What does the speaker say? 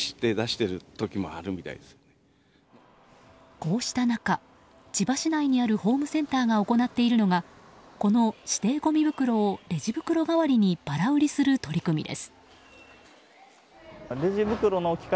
こうした中、千葉市内にあるホームセンターが行っているのがこの指定ごみ袋をレジ袋代わりにばら売りする取り組みです。